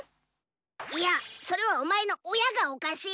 イヤそれはお前の親がおかしい。